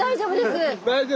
大丈夫？